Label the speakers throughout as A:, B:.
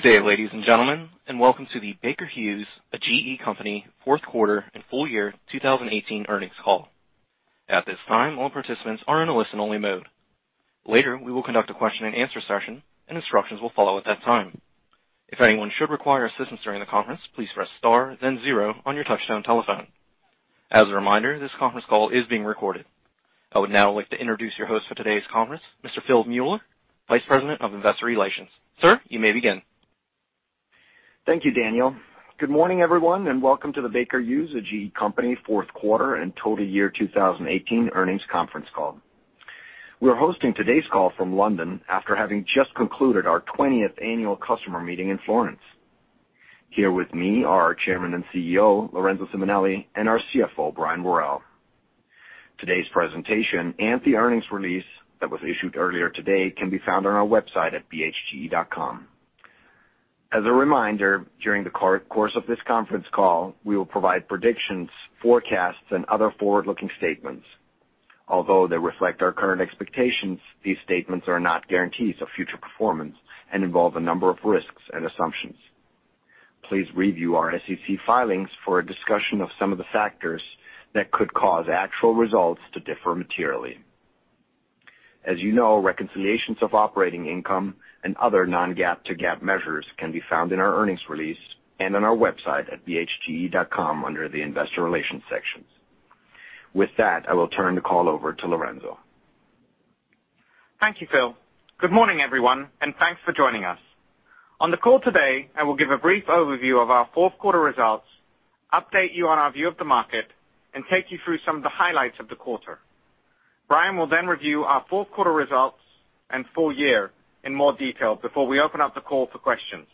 A: Good day, ladies and gentlemen, and welcome to the Baker Hughes, a GE company, fourth quarter and full year 2018 earnings call. At this time, all participants are in a listen-only mode. Later, we will conduct a question and answer session, and instructions will follow at that time. If anyone should require assistance during the conference, please press star then zero on your touchtone telephone. As a reminder, this conference call is being recorded. I would now like to introduce your host for today's conference, Mr. Phil Mueller, Vice President of Investor Relations. Sir, you may begin.
B: Thank you, Daniel. Good morning, everyone, and welcome to the Baker Hughes, a GE company, fourth quarter and total year 2018 earnings conference call. We're hosting today's call from London after having just concluded our 20th annual customer meeting in Florence. Here with me are our Chairman and CEO, Lorenzo Simonelli, and our CFO, Brian Worrell. Today's presentation and the earnings release that was issued earlier today can be found on our website at bhge.com. As a reminder, during the course of this conference call, we will provide predictions, forecasts, and other forward-looking statements. Although they reflect our current expectations, these statements are not guarantees of future performance and involve a number of risks and assumptions. Please review our SEC filings for a discussion of some of the factors that could cause actual results to differ materially. As you know, reconciliations of operating income and other non-GAAP to GAAP measures can be found in our earnings release and on our website at bhge.com under the investor relations sections. With that, I will turn the call over to Lorenzo.
C: Thank you, Phil. Good morning, everyone, and thanks for joining us. On the call today, I will give a brief overview of our fourth quarter results, update you on our view of the market, and take you through some of the highlights of the quarter. Brian will review our fourth quarter results and full year in more detail before we open up the call for questions.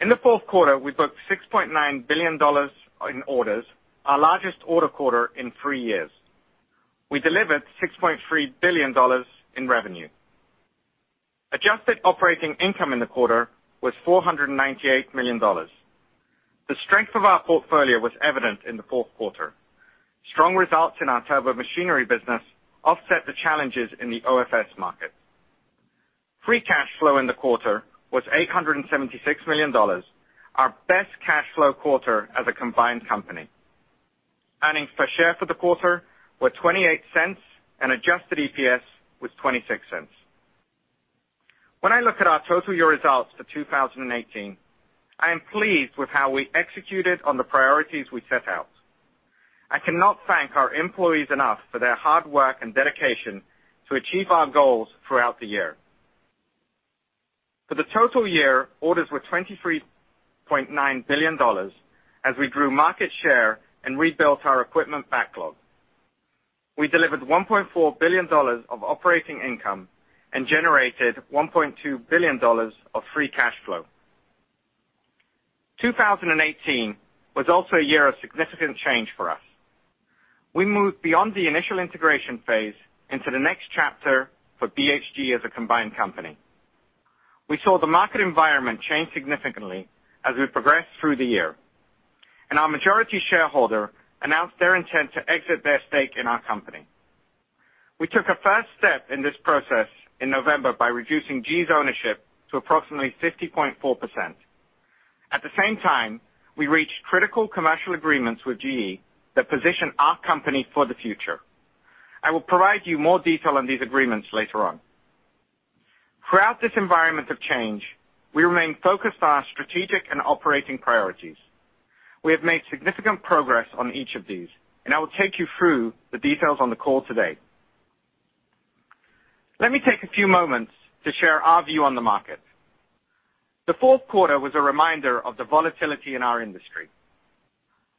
C: In the fourth quarter, we booked $6.9 billion in orders, our largest order quarter in three years. We delivered $6.3 billion in revenue. Adjusted operating income in the quarter was $498 million. The strength of our portfolio was evident in the fourth quarter. Strong results in our turbomachinery business offset the challenges in the OFS market. Free cash flow in the quarter was $876 million, our best cash flow quarter as a combined company. Earnings per share for the quarter were $0.28, and adjusted EPS was $0.26. When I look at our total year results for 2018, I am pleased with how we executed on the priorities we set out. I cannot thank our employees enough for their hard work and dedication to achieve our goals throughout the year. For the total year, orders were $23.9 billion as we grew market share and rebuilt our equipment backlog. We delivered $1.4 billion of operating income and generated $1.2 billion of free cash flow. 2018 was also a year of significant change for us. We moved beyond the initial integration phase into the next chapter for BHGE as a combined company. We saw the market environment change significantly as we progressed through the year, and our majority shareholder announced their intent to exit their stake in our company. We took a first step in this process in November by reducing GE's ownership to approximately 50.4%. At the same time, we reached critical commercial agreements with GE that position our company for the future. I will provide you more detail on these agreements later on. Throughout this environment of change, we remain focused on our strategic and operating priorities. We have made significant progress on each of these, and I will take you through the details on the call today. Let me take a few moments to share our view on the market. The fourth quarter was a reminder of the volatility in our industry.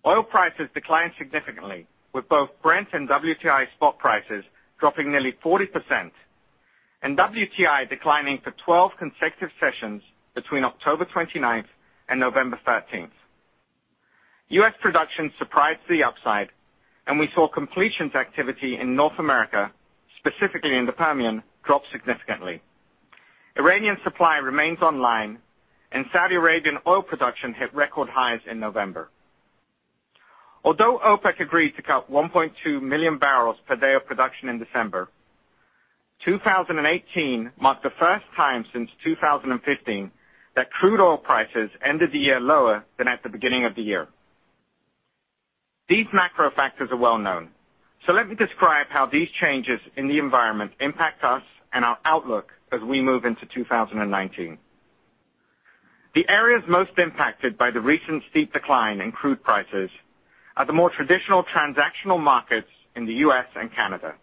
C: Oil prices declined significantly with both Brent and WTI spot prices dropping nearly 40% and WTI declining for 12 consecutive sessions between October 29th and November 13th. U.S. production surprised to the upside, and we saw completions activity in North America, specifically in the Permian, drop significantly. Iranian supply remains online, and Saudi Arabian oil production hit record highs in November. Although OPEC agreed to cut 1.2 million barrels per day of production in December, 2018 marked the first time since 2015 that crude oil prices ended the year lower than at the beginning of the year. Let me describe how these changes in the environment impact us and our outlook as we move into 2019. The areas most impacted by the recent steep decline in crude prices are the more traditional transactional markets in the U.S. and Canada.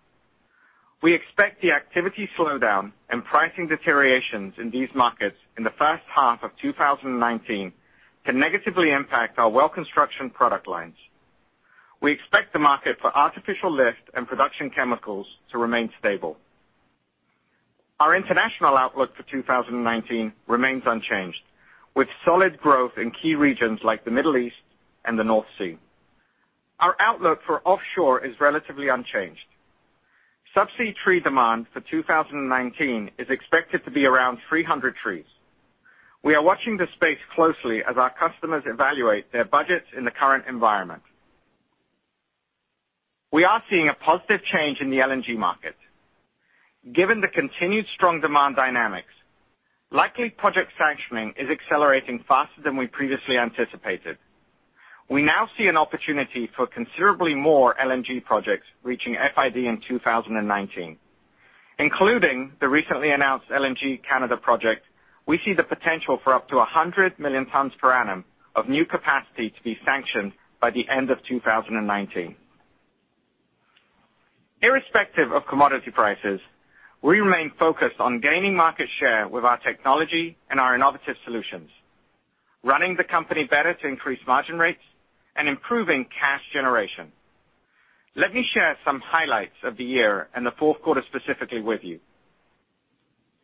C: We expect the activity slowdown and pricing deteriorations in these markets in the first half of 2019 to negatively impact our well construction product lines. We expect the market for artificial lift and production chemicals to remain stable. Our international outlook for 2019 remains unchanged, with solid growth in key regions like the Middle East and the North Sea. Our outlook for offshore is relatively unchanged. Subsea tree demand for 2019 is expected to be around 300 trees. We are watching this space closely as our customers evaluate their budgets in the current environment. We are seeing a positive change in the LNG market. Given the continued strong demand dynamics, likely project sanctioning is accelerating faster than we previously anticipated. We now see an opportunity for considerably more LNG projects reaching FID in 2019. Including the recently announced LNG Canada project, we see the potential for up to 100 million tons per annum of new capacity to be sanctioned by the end of 2019. Irrespective of commodity prices, we remain focused on gaining market share with our technology and our innovative solutions, running the company better to increase margin rates and improving cash generation. Let me share some highlights of the year and the fourth quarter specifically with you.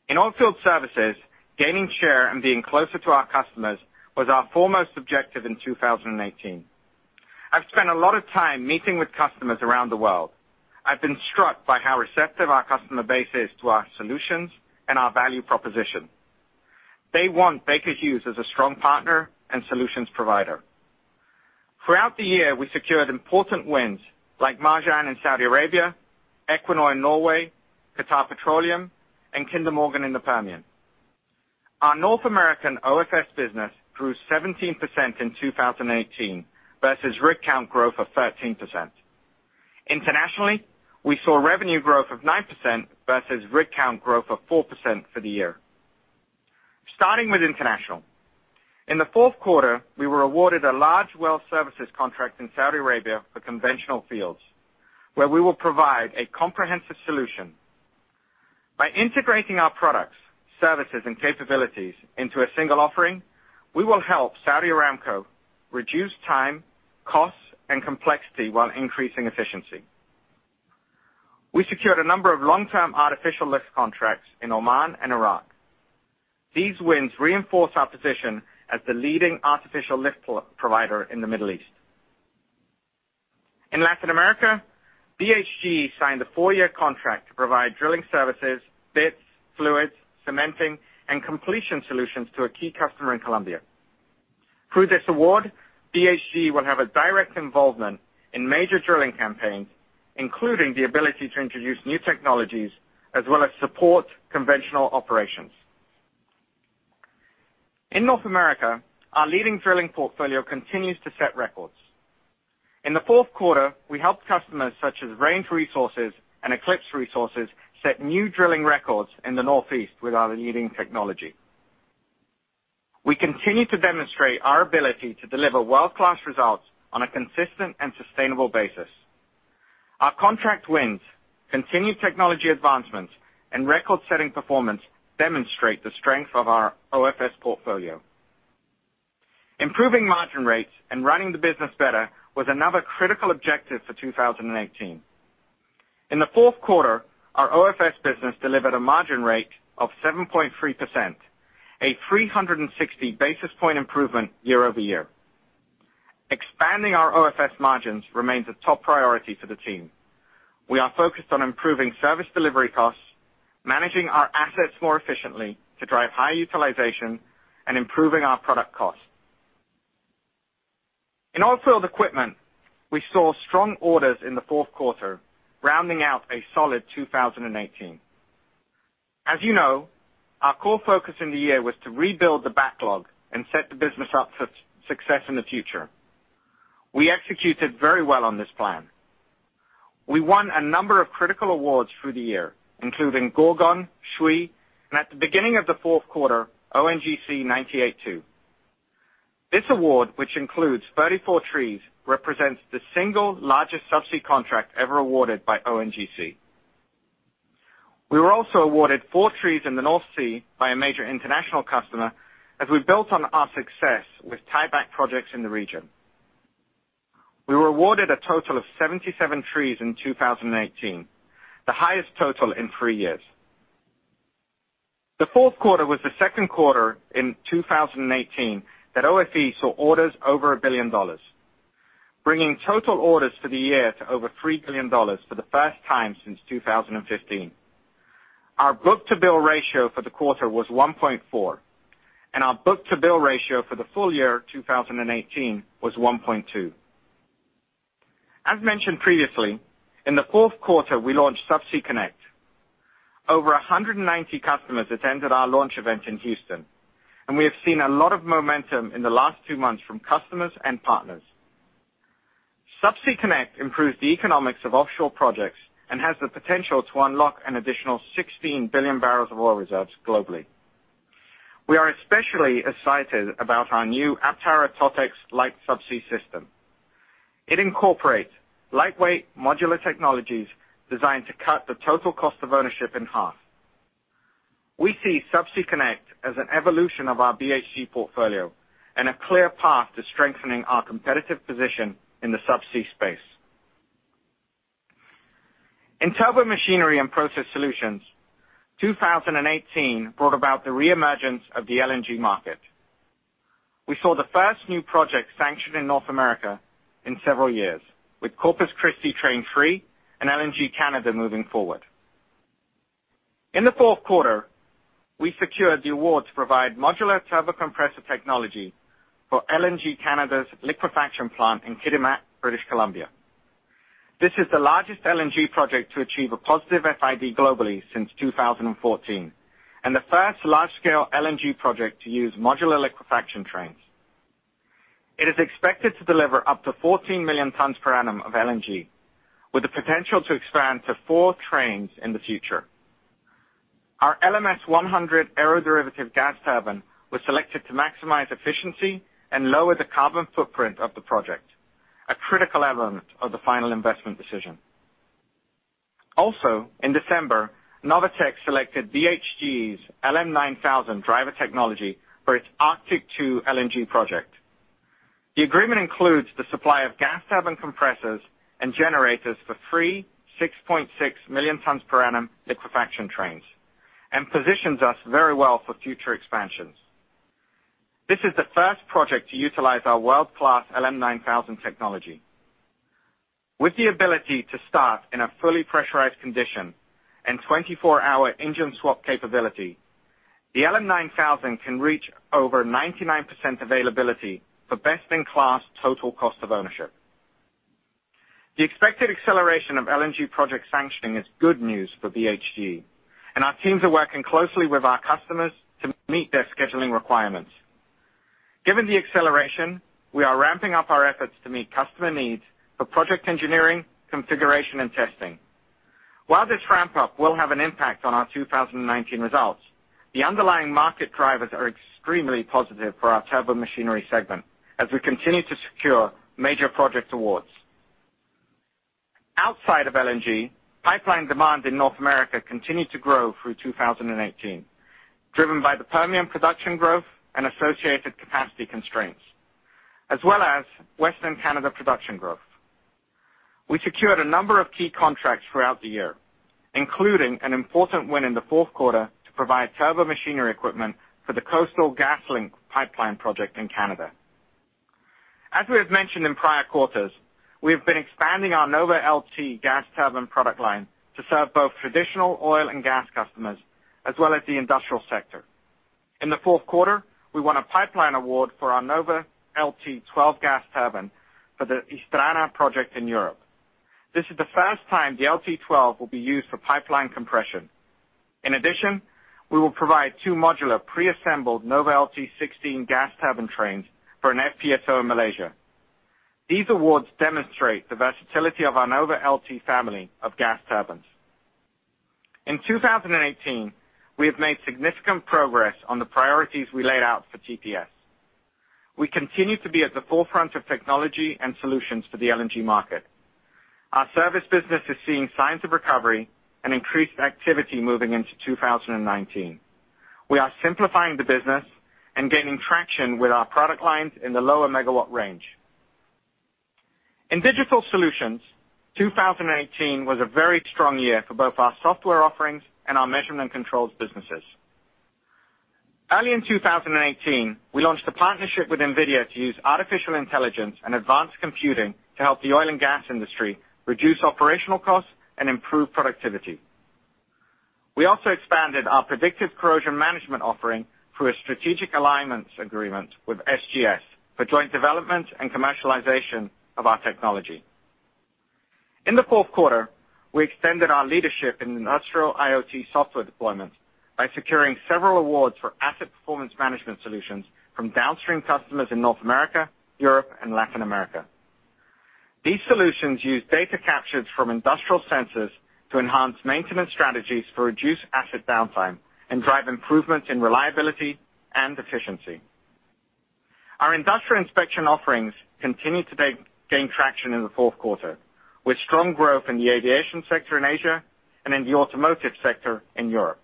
C: In Oilfield Services, gaining share and being closer to our customers was our foremost objective in 2018. I've spent a lot of time meeting with customers around the world. I've been struck by how receptive our customer base is to our solutions and our value proposition. They want Baker Hughes as a strong partner and solutions provider. Throughout the year, we secured important wins like Marjan in Saudi Arabia, Equinor in Norway, Qatar Petroleum, and Kinder Morgan in the Permian. Our North American OFS business grew 17% in 2018 versus rig count growth of 13%. Internationally, we saw revenue growth of 9% versus rig count growth of 4% for the year. Starting with international, in the fourth quarter, we were awarded a large well services contract in Saudi Arabia for conventional fields, where we will provide a comprehensive solution. By integrating our products, services, and capabilities into a single offering, we will help Saudi Aramco reduce time, costs, and complexity while increasing efficiency. We secured a number of long-term artificial lift contracts in Oman and Iraq. These wins reinforce our position as the leading artificial lift provider in the Middle East. In Latin America, BHGE signed a four-year contract to provide drilling services, bits, fluids, cementing, and completion solutions to a key customer in Colombia. Through this award, BHGE will have a direct involvement in major drilling campaigns, including the ability to introduce new technologies as well as support conventional operations. In North America, our leading drilling portfolio continues to set records. In the fourth quarter, we helped customers such as Range Resources and Eclipse Resources set new drilling records in the Northeast with our leading technology. We continue to demonstrate our ability to deliver world-class results on a consistent and sustainable basis. Our contract wins, continued technology advancements, and record-setting performance demonstrate the strength of our OFS portfolio. Improving margin rates and running the business better was another critical objective for 2018. In the fourth quarter, our OFS business delivered a margin rate of 7.3%, a 360 basis point improvement year-over-year. Expanding our OFS margins remains a top priority for the team. We are focused on improving service delivery costs, managing our assets more efficiently to drive high utilization, and improving our product costs. In Oilfield Equipment, we saw strong orders in the fourth quarter, rounding out a solid 2018. As you know, our core focus in the year was to rebuild the backlog and set the business up for success in the future. We executed very well on this plan. We won a number of critical awards through the year, including Gorgon, Sui, and at the beginning of the fourth quarter, ONGC 982. This award, which includes 34 trees, represents the single largest subsea contract ever awarded by ONGC. We were also awarded four trees in the North Sea by a major international customer as we built on our success with tieback projects in the region. We were awarded a total of 77 trees in 2018, the highest total in three years. The fourth quarter was the second quarter in 2018 that OFE saw orders over $1 billion, bringing total orders for the year to over $3 billion for the first time since 2015. Our book-to-bill ratio for the quarter was 1.4, our book-to-bill ratio for the full year 2018 was 1.2. As mentioned previously, in the fourth quarter, we launched Subsea Connect. Over 190 customers attended our launch event in Houston, and we have seen a lot of momentum in the last two months from customers and partners. Subsea Connect improves the economics of offshore projects and has the potential to unlock an additional 16 billion barrels of oil reserves globally. We are especially excited about our new Aptara TOTEX-lite subsea system. It incorporates lightweight modular technologies designed to cut the total cost of ownership in half. We see Subsea Connect as an evolution of our BHGE portfolio and a clear path to strengthening our competitive position in the subsea space. In Turbomachinery & Process Solutions, 2018 brought about the reemergence of the LNG market. We saw the first new project sanctioned in North America in several years with Corpus Christi Train 3 and LNG Canada moving forward. In the fourth quarter, we secured the award to provide modular turbo compressor technology for LNG Canada's liquefaction plant in Kitimat, British Columbia. This is the largest LNG project to achieve a positive FID globally since 2014, and the first large-scale LNG project to use modular liquefaction trains. It is expected to deliver up to 14 million tons per annum of LNG, with the potential to expand to four trains in the future. Our LMS100 aeroderivative gas turbine was selected to maximize efficiency and lower the carbon footprint of the project, a critical element of the final investment decision. Also, in December, NOVATEK selected BHGE's LM9000 driver technology for its Arctic LNG 2 project. The agreement includes the supply of gas turbine compressors and generators for three 6.6 million tons per annum liquefaction trains, and positions us very well for future expansions. This is the first project to utilize our world-class LM9000 technology. With the ability to start in a fully pressurized condition and 24-hour engine swap capability, the LM9000 can reach over 99% availability for best-in-class total cost of ownership. The expected acceleration of LNG project sanctioning is good news for BHGE, and our teams are working closely with our customers to meet their scheduling requirements. Given the acceleration, we are ramping up our efforts to meet customer needs for project engineering, configuration, and testing. While this ramp-up will have an impact on our 2019 results, the underlying market drivers are extremely positive for our Turbomachinery segment as we continue to secure major project awards. Outside of LNG, pipeline demand in North America continued to grow through 2018, driven by the Permian production growth and associated capacity constraints, as well as Western Canada production growth. We secured a number of key contracts throughout the year, including an important win in the fourth quarter to provide turbomachinery equipment for the Coastal GasLink pipeline project in Canada. As we have mentioned in prior quarters, we have been expanding our NovaLT gas turbine product line to serve both traditional oil and gas customers, as well as the industrial sector. In the fourth quarter, we won a pipeline award for our NovaLT™12 gas turbine for the Istrana project in Europe. This is the first time the LT12 will be used for pipeline compression. In addition, we will provide two modular preassembled NovaLT™16 gas turbine trains for an FPSO in Malaysia. These awards demonstrate the versatility of our NovaLT™ family of gas turbines. In 2018, we have made significant progress on the priorities we laid out for TPS. We continue to be at the forefront of technology and solutions for the LNG market. Our service business is seeing signs of recovery and increased activity moving into 2019. We are simplifying the business and gaining traction with our product lines in the lower megawatt range. In digital solutions, 2018 was a very strong year for both our software offerings and our measurement controls businesses. Early in 2018, we launched a partnership with NVIDIA to use artificial intelligence and advanced computing to help the oil and gas industry reduce operational costs and improve productivity. We also expanded our predictive corrosion management offering through a strategic alliance agreement with SGS for joint development and commercialization of our technology. In the fourth quarter, we extended our leadership in industrial IoT software deployment by securing several awards for asset performance management solutions from downstream customers in North America, Europe, and Latin America. These solutions use data captured from industrial sensors to enhance maintenance strategies to reduce asset downtime and drive improvements in reliability and efficiency. Our industrial inspection offerings continued to gain traction in the fourth quarter, with strong growth in the aviation sector in Asia and in the automotive sector in Europe.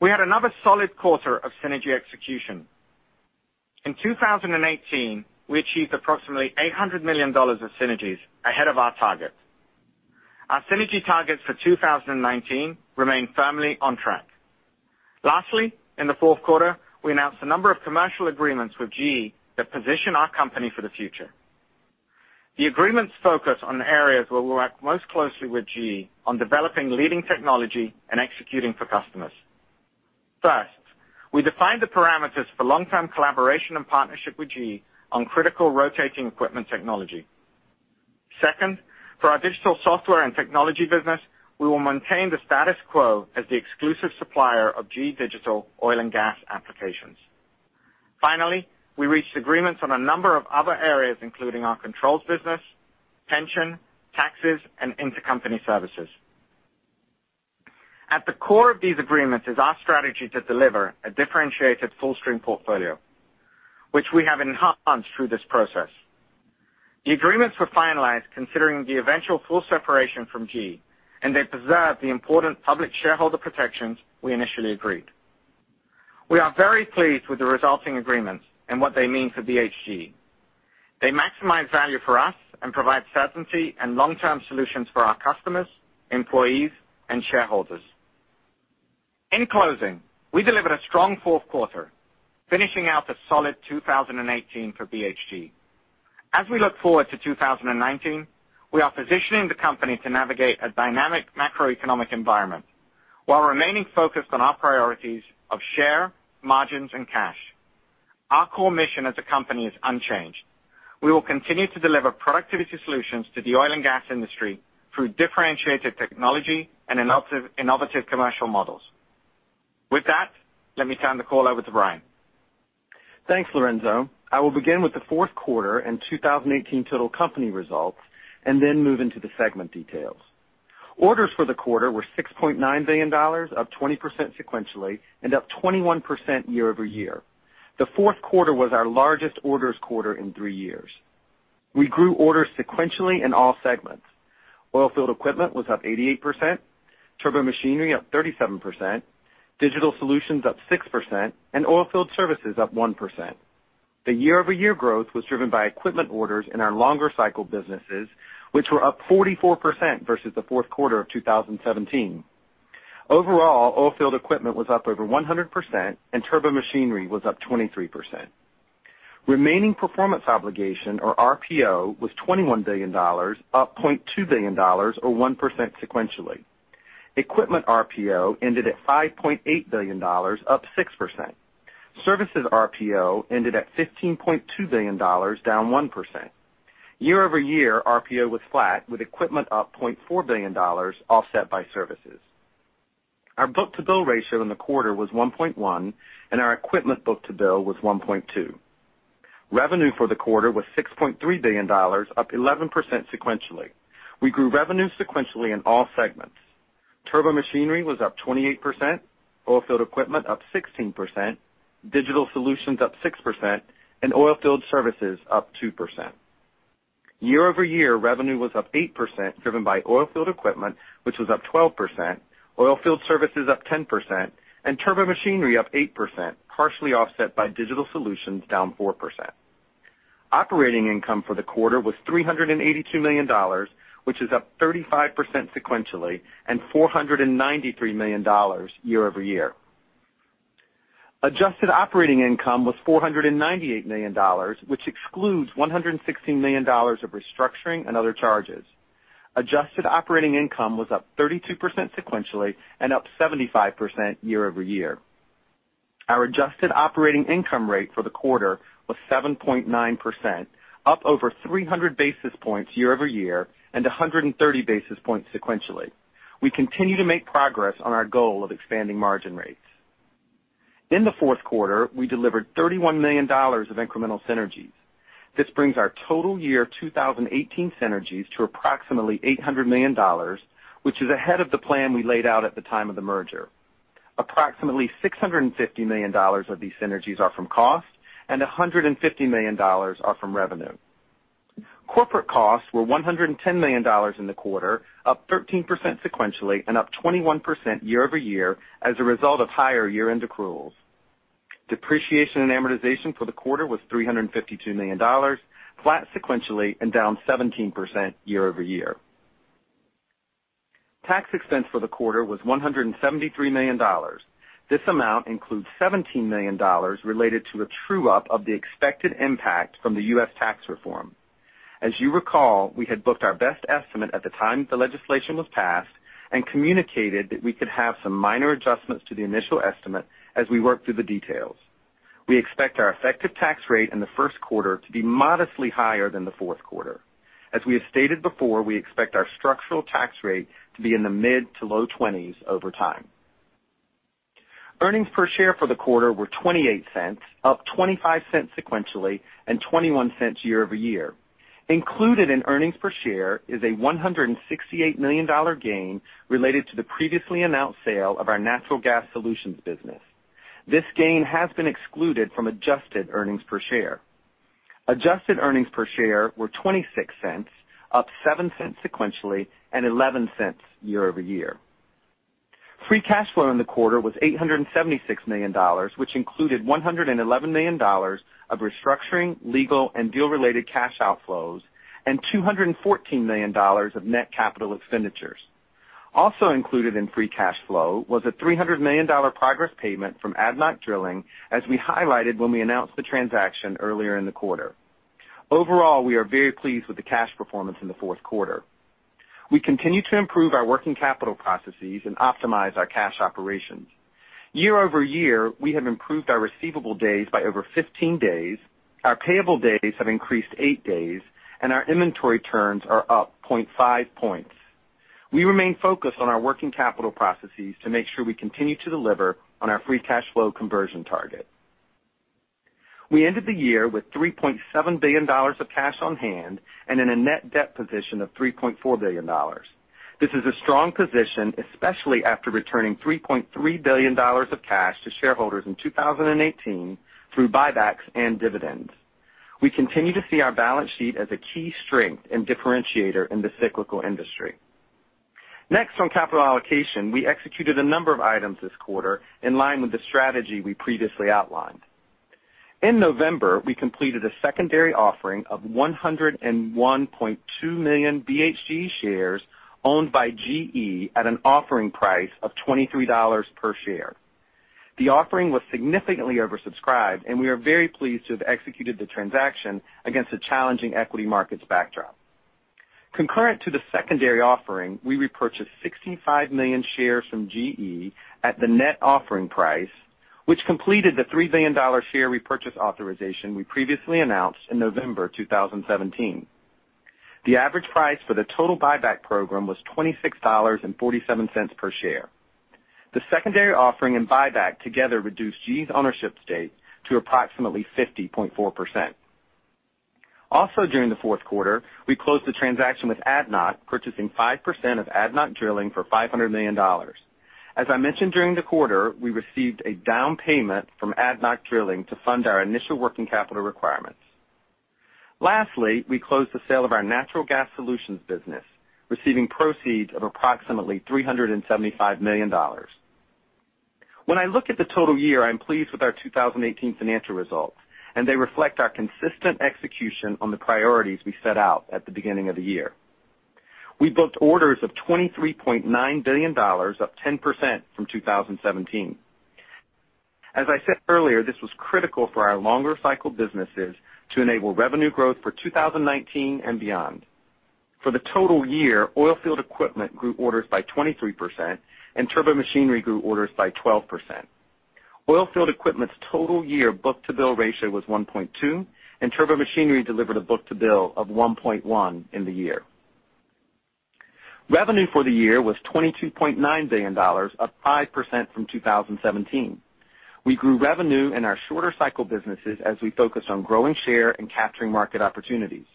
C: We had another solid quarter of synergy execution. In 2018, we achieved approximately $800 million of synergies ahead of our target. Our synergy targets for 2019 remain firmly on track. In the fourth quarter, we announced a number of commercial agreements with GE that position our company for the future. The agreements focus on areas where we work most closely with GE on developing leading technology and executing for customers. First, we defined the parameters for long-term collaboration and partnership with GE on critical rotating equipment technology. Second, for our digital software and technology business, we will maintain the status quo as the exclusive supplier of GE Digital oil and gas applications. Finally, we reached agreements on a number of other areas, including our controls business, pension, taxes, and intercompany services. At the core of these agreements is our strategy to deliver a differentiated full stream portfolio, which we have enhanced through this process. The agreements were finalized considering the eventual full separation from GE, they preserve the important public shareholder protections we initially agreed. We are very pleased with the resulting agreements and what they mean for BHGE. They maximize value for us and provide certainty and long-term solutions for our customers, employees, and shareholders. In closing, we delivered a strong fourth quarter, finishing out the solid 2018 for BHGE. As we look forward to 2019, we are positioning the company to navigate a dynamic macroeconomic environment while remaining focused on our priorities of share, margins, and cash. Our core mission as a company is unchanged. We will continue to deliver productivity solutions to the oil and gas industry through differentiated technology and innovative commercial models. With that, let me turn the call over to Brian.
D: Thanks, Lorenzo. I will begin with the fourth quarter and 2018 total company results and then move into the segment details. Orders for the quarter were $6.9 billion, up 20% sequentially and up 21% year-over-year. The fourth quarter was our largest orders quarter in three years. We grew orders sequentially in all segments. Oilfield Equipment was up 88%, Turbomachinery up 37%, Digital Solutions up 6%, and Oilfield Services up 1%. The year-over-year growth was driven by equipment orders in our longer cycle businesses, which were up 44% versus the fourth quarter of 2017. Overall, Oilfield Equipment was up over 100% and Turbomachinery was up 23%. Remaining performance obligation, or RPO, was $21 billion, up $0.2 billion or 1% sequentially. Equipment RPO ended at $5.8 billion, up 6%. Services RPO ended at $15.2 billion, down 1%. Year-over-year, RPO was flat with equipment up $0.4 billion offset by services. Our book-to-bill ratio in the quarter was 1.1, and our equipment book-to-bill was 1.2. Revenue for the quarter was $6.3 billion, up 11% sequentially. We grew revenue sequentially in all segments. Turbomachinery was up 28%, Oilfield Equipment up 16%, Digital Solutions up 6%, and Oilfield Services up 2%. Year-over-year, revenue was up 8%, driven by Oilfield Equipment, which was up 12%, Oilfield Services up 10%, and Turbomachinery up 8%, partially offset by Digital Solutions down 4%. Operating income for the quarter was $382 million, which is up 35% sequentially and $493 million year-over-year. Adjusted operating income was $498 million, which excludes $116 million of restructuring and other charges. Adjusted operating income was up 32% sequentially and up 75% year-over-year. Our adjusted operating income rate for the quarter was 7.9%, up over 300 basis points year-over-year and 130 basis points sequentially. We continue to make progress on our goal of expanding margin rates. In the fourth quarter, we delivered $31 million of incremental synergies. This brings our total year 2018 synergies to approximately $800 million, which is ahead of the plan we laid out at the time of the merger. Approximately $650 million of these synergies are from cost, and $150 million are from revenue. Corporate costs were $110 million in the quarter, up 13% sequentially and up 21% year-over-year as a result of higher year-end accruals. Depreciation and amortization for the quarter was $352 million, flat sequentially and down 17% year-over-year. Tax expense for the quarter was $173 million. This amount includes $17 million related to a true-up of the expected impact from the U.S. tax reform. As you recall, we had booked our best estimate at the time the legislation was passed and communicated that we could have some minor adjustments to the initial estimate as we work through the details. We expect our effective tax rate in the first quarter to be modestly higher than the fourth quarter. As we have stated before, we expect our structural tax rate to be in the mid to low twenties over time. Earnings per share for the quarter were $0.28, up $0.25 sequentially and $0.21 year-over-year. Included in earnings per share is a $168 million gain related to the previously announced sale of our Natural Gas Solutions business. This gain has been excluded from adjusted earnings per share. Adjusted earnings per share were $0.26, up $0.07 sequentially, and $0.11 year-over-year. Free cash flow in the quarter was $876 million, which included $111 million of restructuring, legal, and deal-related cash outflows and $214 million of net capital expenditures. Also included in free cash flow was a $300 million progress payment from ADNOC Drilling, as we highlighted when we announced the transaction earlier in the quarter. Overall, we are very pleased with the cash performance in the fourth quarter. We continue to improve our working capital processes and optimize our cash operations. Year-over-year, we have improved our receivable days by over 15 days. Our payable days have increased eight days and our inventory turns are up 0.5 points. We remain focused on our working capital processes to make sure we continue to deliver on our free cash flow conversion target. We ended the year with $3.7 billion of cash on hand and in a net debt position of $3.4 billion. This is a strong position, especially after returning $3.3 billion of cash to shareholders in 2018 through buybacks and dividends. We continue to see our balance sheet as a key strength and differentiator in this cyclical industry. On capital allocation, we executed a number of items this quarter in line with the strategy we previously outlined. In November, we completed a secondary offering of 101.2 million BHGE shares owned by GE at an offering price of $23 per share. The offering was significantly oversubscribed, and we are very pleased to have executed the transaction against a challenging equity markets backdrop. Concurrent to the secondary offering, we repurchased 65 million shares from GE at the net offering price, which completed the $3 billion share repurchase authorization we previously announced in November 2017. The average price for the total buyback program was $26.47 per share. The secondary offering and buyback together reduced GE's ownership stake to approximately 50.4%. Also during the fourth quarter, we closed the transaction with ADNOC, purchasing 5% of ADNOC Drilling for $500 million. As I mentioned during the quarter, we received a down payment from ADNOC Drilling to fund our initial working capital requirements. Lastly, we closed the sale of our Natural Gas Solutions business, receiving proceeds of approximately $375 million. When I look at the total year, I'm pleased with our 2018 financial results, and they reflect our consistent execution on the priorities we set out at the beginning of the year. We booked orders of $23.9 billion, up 10% from 2017. As I said earlier, this was critical for our longer cycle businesses to enable revenue growth for 2019 and beyond. For the total year, oilfield equipment grew orders by 23%, and turbomachinery grew orders by 12%. Oilfield equipment's total year book-to-bill ratio was 1.2, and turbomachinery delivered a book-to-bill of 1.1 in the year. Revenue for the year was $22.9 billion, up 5% from 2017. We grew revenue in our shorter cycle businesses as we focused on growing share and capturing market opportunities.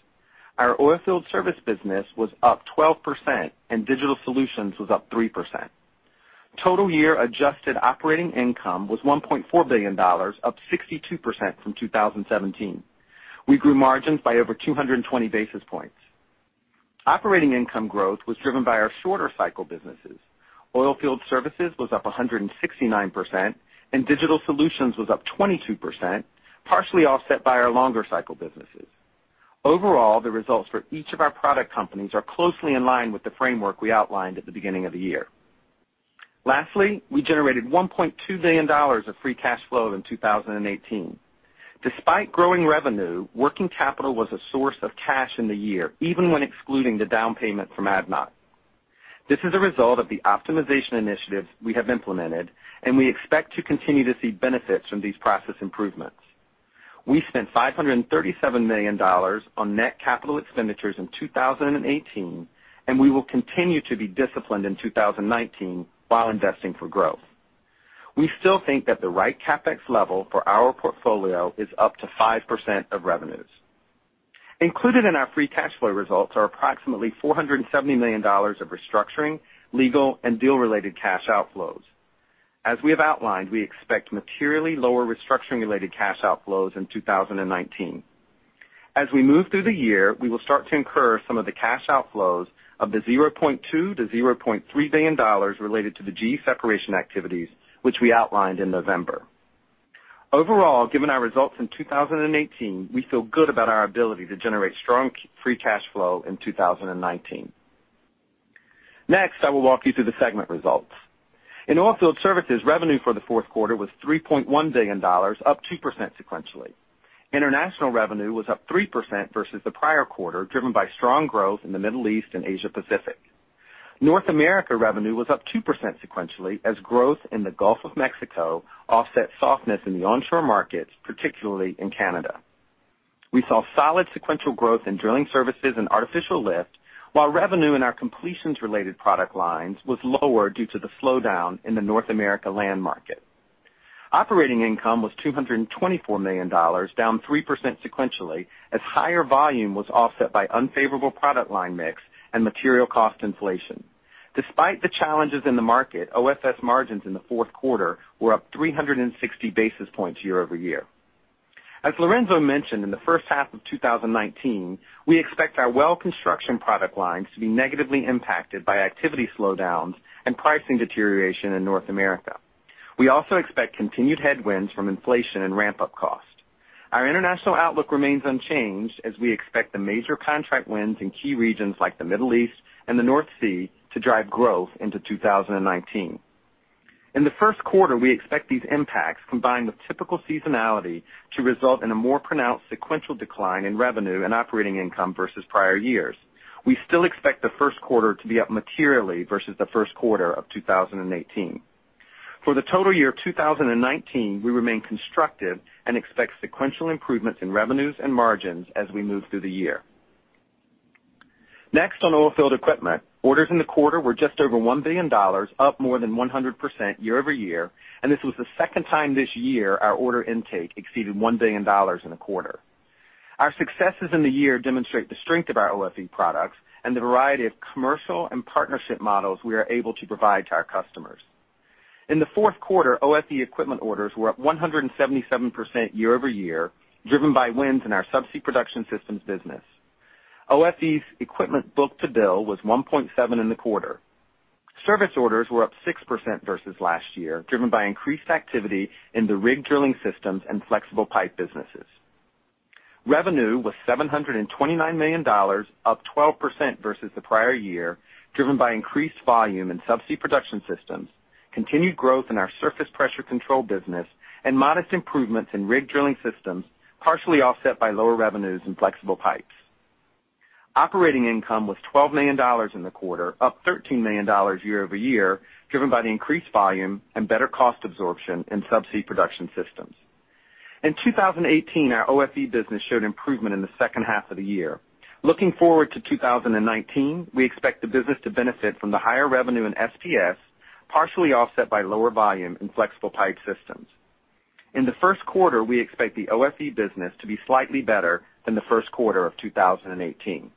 D: Our oilfield service business was up 12%, and digital solutions was up 3%. Total year adjusted operating income was $1.4 billion, up 62% from 2017. We grew margins by over 220 basis points. Operating income growth was driven by our shorter cycle businesses. Oilfield Services was up 169%, and Digital Solutions was up 22%, partially offset by our longer cycle businesses. Overall, the results for each of our product companies are closely in line with the framework we outlined at the beginning of the year. Lastly, we generated $1.2 billion of free cash flow in 2018. Despite growing revenue, working capital was a source of cash in the year, even when excluding the down payment from ADNOC. This is a result of the optimization initiatives we have implemented, and we expect to continue to see benefits from these process improvements. We spent $537 million on net capital expenditures in 2018, and we will continue to be disciplined in 2019 while investing for growth. We still think that the right CapEx level for our portfolio is up to 5% of revenues. Included in our free cash flow results are approximately $470 million of restructuring, legal, and deal-related cash outflows. As we have outlined, we expect materially lower restructuring-related cash outflows in 2019. As we move through the year, we will start to incur some of the cash outflows of the $0.2 billion-$0.3 billion related to the GE separation activities, which we outlined in November. Given our results in 2018, we feel good about our ability to generate strong free cash flow in 2019. I will walk you through the segment results. In Oilfield Services, revenue for the fourth quarter was $3.1 billion, up 2% sequentially. International revenue was up 3% versus the prior quarter, driven by strong growth in the Middle East and Asia Pacific. North America revenue was up 2% sequentially, as growth in the Gulf of Mexico offset softness in the onshore markets, particularly in Canada. We saw solid sequential growth in drilling services and artificial lift, while revenue in our completions-related product lines was lower due to the slowdown in the North America land market. Operating income was $224 million, down 3% sequentially as higher volume was offset by unfavorable product line mix and material cost inflation. Despite the challenges in the market, OFS margins in the fourth quarter were up 360 basis points year-over-year. As Lorenzo mentioned, in the first half of 2019, we expect our well construction product lines to be negatively impacted by activity slowdowns and pricing deterioration in North America. We also expect continued headwinds from inflation and ramp-up cost. Our international outlook remains unchanged as we expect the major contract wins in key regions like the Middle East and the North Sea to drive growth into 2019. In the first quarter, we expect these impacts, combined with typical seasonality, to result in a more pronounced sequential decline in revenue and operating income versus prior years. We still expect the first quarter to be up materially versus the first quarter of 2018. For the total year 2019, we remain constructive and expect sequential improvements in revenues and margins as we move through the year. On Oilfield Equipment. Orders in the quarter were just over $1 billion, up more than 100% year-over-year, and this was the second time this year our order intake exceeded $1 billion in a quarter. Our successes in the year demonstrate the strength of our OFE products and the variety of commercial and partnership models we are able to provide to our customers. In the fourth quarter, OFE equipment orders were up 177% year-over-year, driven by wins in our subsea production systems business. OFE's equipment book-to-bill was 1.7 in the quarter. Service orders were up 6% versus last year, driven by increased activity in the rig drilling systems and flexible pipe businesses. Revenue was $729 million, up 12% versus the prior year, driven by increased volume in subsea production systems, continued growth in our surface pressure control business, and modest improvements in rig drilling systems, partially offset by lower revenues in flexible pipes. Operating income was $12 million in the quarter, up $13 million year-over-year, driven by the increased volume and better cost absorption in subsea production systems. In 2018, our OFE business showed improvement in the second half of the year. Looking forward to 2019, we expect the business to benefit from the higher revenue in SPS, partially offset by lower volume in flexible pipe systems. In the first quarter, we expect the OFE business to be slightly better than the first quarter of 2018.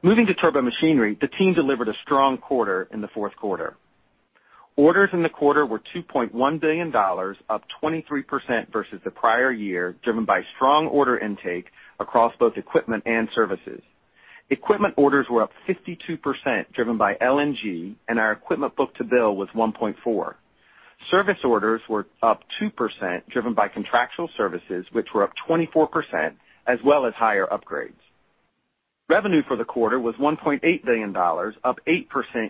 D: Moving to Turbomachinery, the team delivered a strong quarter in the fourth quarter. Orders in the quarter were $2.1 billion, up 23% versus the prior year, driven by strong order intake across both equipment and services. Equipment orders were up 52% driven by LNG, and our equipment book-to-bill was 1.4. Service orders were up 2% driven by contractual services, which were up 24%, as well as higher upgrades. Revenue for the quarter was $1.8 billion, up 8%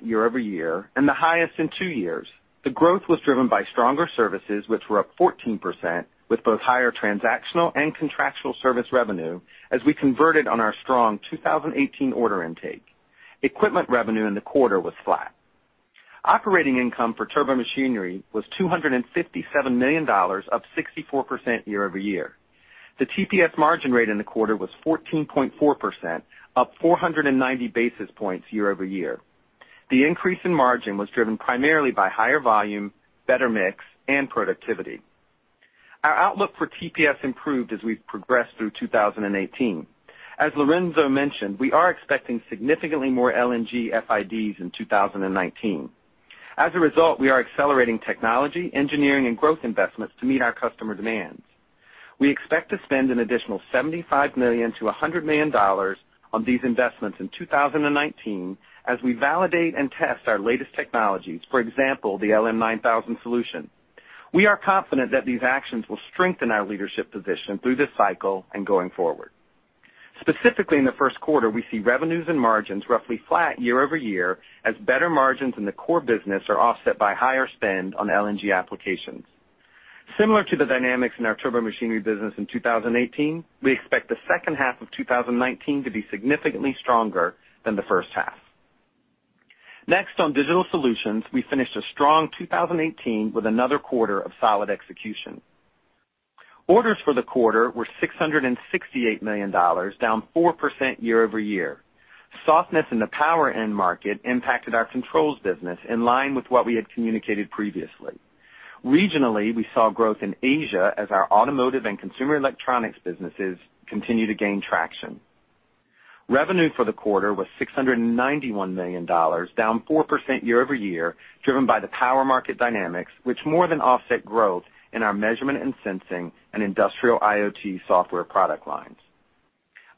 D: year-over-year and the highest in two years. The growth was driven by stronger services, which were up 14% with both higher transactional and contractual service revenue, as we converted on our strong 2018 order intake. Equipment revenue in the quarter was flat. Operating income for Turbomachinery was $257 million, up 64% year-over-year. The TPS margin rate in the quarter was 14.4%, up 490 basis points year-over-year. The increase in margin was driven primarily by higher volume, better mix, and productivity. Our outlook for TPS improved as we've progressed through 2018. As Lorenzo mentioned, we are expecting significantly more LNG FIDs in 2019. As a result, we are accelerating technology, engineering, and growth investments to meet our customer demands. We expect to spend an additional $75 million-$100 million on these investments in 2019 as we validate and test our latest technologies, for example, the LM9000 solution. We are confident that these actions will strengthen our leadership position through this cycle and going forward. Specifically, in the first quarter, we see revenues and margins roughly flat year-over-year as better margins in the core business are offset by higher spend on LNG applications. Similar to the dynamics in our Turbomachinery business in 2018, we expect the second half of 2019 to be significantly stronger than the first half. Next on digital solutions, we finished a strong 2018 with another quarter of solid execution. Orders for the quarter were $668 million, down 4% year-over-year. Softness in the power end market impacted our controls business in line with what we had communicated previously. Regionally, we saw growth in Asia as our automotive and consumer electronics businesses continue to gain traction. Revenue for the quarter was $691 million, down 4% year-over-year, driven by the power market dynamics, which more than offset growth in our measurement and sensing and industrial IoT software product lines.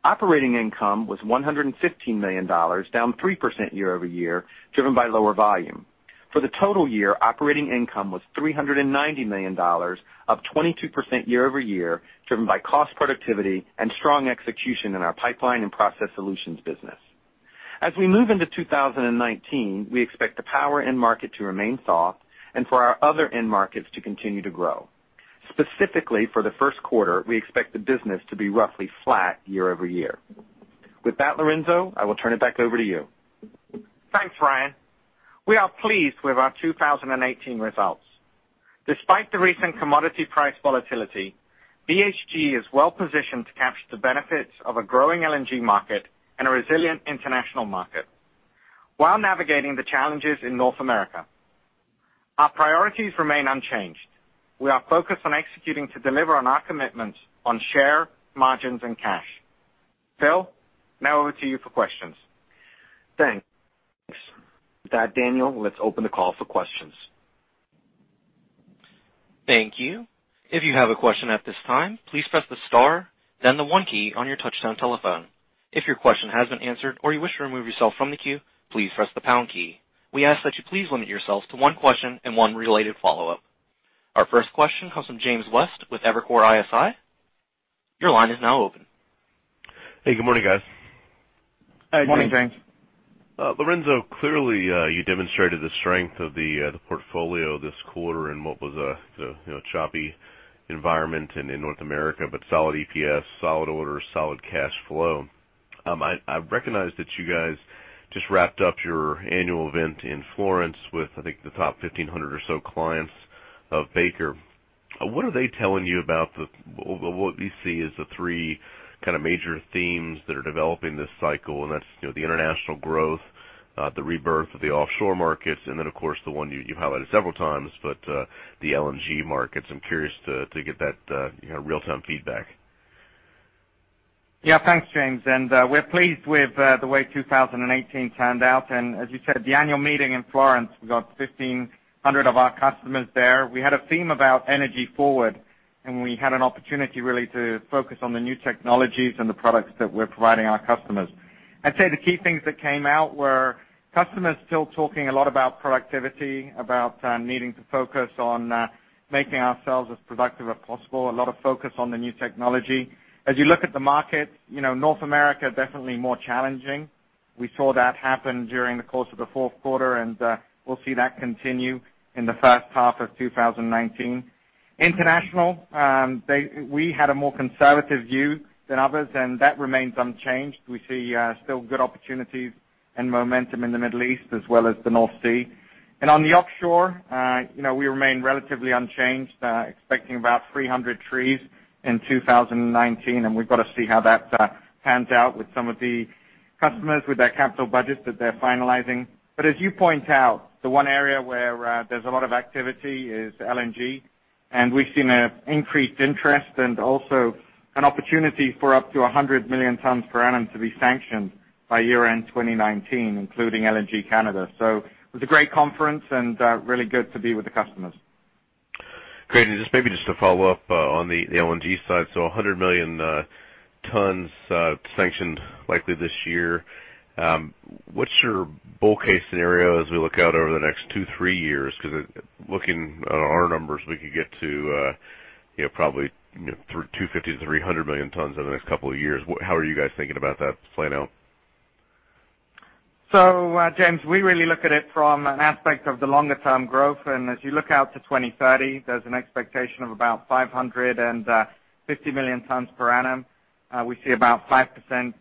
D: Operating income was $115 million, down 3% year-over-year, driven by lower volume. For the total year, operating income was $390 million, up 22% year-over-year, driven by cost productivity and strong execution in our pipeline and process solutions business. As we move into 2019, we expect the power end market to remain soft and for our other end markets to continue to grow. Specifically, for the first quarter, we expect the business to be roughly flat year-over-year. With that, Lorenzo, I will turn it back over to you.
C: Thanks, Brian. We are pleased with our 2018 results. Despite the recent commodity price volatility, BHGE is well positioned to capture the benefits of a growing LNG market and a resilient international market while navigating the challenges in North America. Our priorities remain unchanged. We are focused on executing to deliver on our commitments on share, margins, and cash. Phil, now over to you for questions.
B: Thanks. With that, Daniel, let's open the call for questions.
A: Thank you. If you have a question at this time, please press the star then the one key on your touchtone telephone. If your question has been answered or you wish to remove yourself from the queue, please press the pound key. We ask that you please limit yourself to one question and one related follow-up. Our first question comes from James West with Evercore ISI. Your line is now open.
E: Hey, good morning, guys.
C: Morning, James.
D: Morning.
E: Lorenzo, clearly, you demonstrated the strength of the portfolio this quarter in what was a choppy environment in North America. Solid EPS, solid orders, solid cash flow. I recognize that you guys just wrapped up your annual event in Florence with, I think, the top 1,500 or so clients of Baker. What are they telling you about what we see as the three kind of major themes that are developing this cycle? That's the international growth, the rebirth of the offshore markets, and then of course, the one you've highlighted several times, but the LNG markets. I'm curious to get that real-time feedback.
C: Yeah. Thanks, James. We're pleased with the way 2018 turned out. As you said, the annual meeting in Florence, we got 1,500 of our customers there. We had a theme about energy forward. We had an opportunity really to focus on the new technologies and the products that we're providing our customers. I'd say the key things that came out were customers still talking a lot about productivity, about needing to focus on making ourselves as productive as possible, a lot of focus on the new technology. As you look at the market, North America, definitely more challenging. We saw that happen during the course of the fourth quarter. We'll see that continue in the first half of 2019. International, we had a more conservative view than others. That remains unchanged. We see still good opportunities and momentum in the Middle East as well as the North Sea. On the offshore, we remain relatively unchanged, expecting about 300 trees in 2019, and we've got to see how that pans out with some of the customers with their capital budgets that they're finalizing. As you point out, the one area where there's a lot of activity is LNG, and we've seen increased interest and also an opportunity for up to 100 million tons per annum to be sanctioned by year-end 2019, including LNG Canada. It was a great conference and really good to be with the customers.
E: Great. Just maybe just to follow up on the LNG side. 100 million tons sanctioned likely this year. What's your bull case scenario as we look out over the next two, three years? Because looking at our numbers, we could get to probably 250-300 million tons over the next couple of years. How are you guys thinking about that playing out?
C: James, we really look at it from an aspect of the longer-term growth. As you look out to 2030, there's an expectation of about 550 million tons per annum. We see about 5%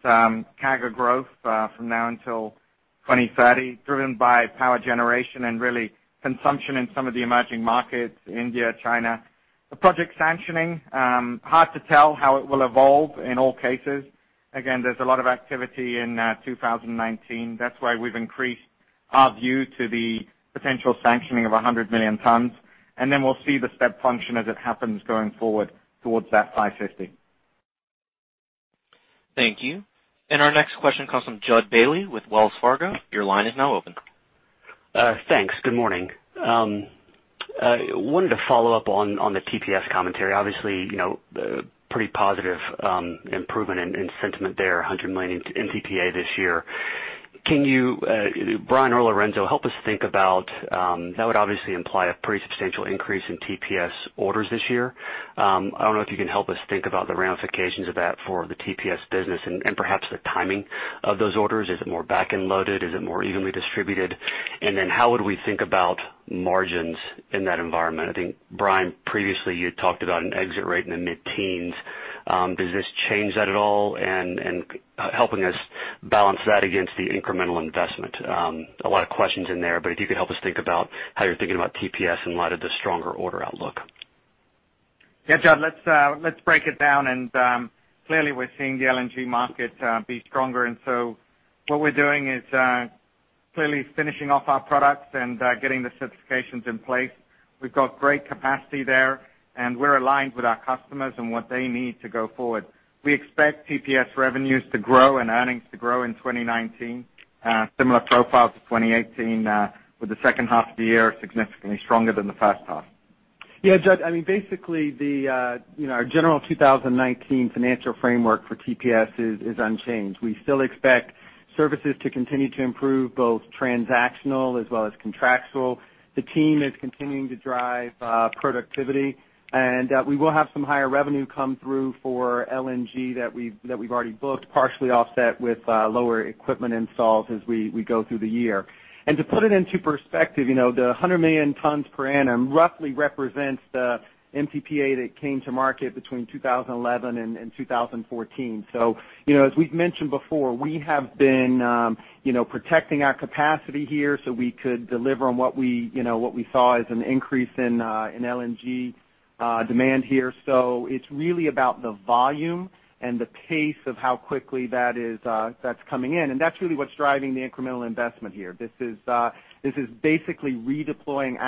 C: CAGR growth from now until 2030, driven by power generation and really consumption in some of the emerging markets, India, China. The project sanctioning, hard to tell how it will evolve in all cases. Again, there's a lot of activity in 2019. That's why we've increased our view to the potential sanctioning of 100 million tons, and then we'll see the step function as it happens going forward towards that 550.
A: Thank you. Our next question comes from Jud Bailey with Wells Fargo. Your line is now open.
F: Thanks. Good morning. Wanted to follow up on the TPS commentary. Obviously, pretty positive improvement in sentiment there, 100 MTPA this year. Brian or Lorenzo, help us think about, that would obviously imply a pretty substantial increase in TPS orders this year. I don't know if you can help us think about the ramifications of that for the TPS business and perhaps the timing of those orders. Is it more back-end loaded? Is it more evenly distributed? How would we think about margins in that environment? I think, Brian, previously you had talked about an exit rate in the mid-teens. Does this change that at all? Helping us balance that against the incremental investment. A lot of questions in there, if you could help us think about how you're thinking about TPS in light of the stronger order outlook.
C: Yeah, Jud, let's break it down. Clearly we're seeing the LNG market be stronger, what we're doing is clearly finishing off our products and getting the certifications in place. We've got great capacity there, we're aligned with our customers and what they need to go forward. We expect TPS revenues to grow and earnings to grow in 2019. Similar profile to 2018, with the second half of the year significantly stronger than the first half.
D: Yeah, Jud, basically, our general 2019 financial framework for TPS is unchanged. We still expect services to continue to improve, both transactional as well as contractual. The team is continuing to drive productivity, we will have some higher revenue come through for LNG that we've already booked, partially offset with lower equipment installs as we go through the year. To put it into perspective, the 100 million tons per annum roughly represents the MTPA that came to market between 2011 and 2014. As we've mentioned before, we have been protecting our capacity here so we could deliver on what we saw as an increase in LNG demand here. It's really about the volume and the pace of how quickly that's coming in. That's really what's driving the incremental investment here. This is basically redeploying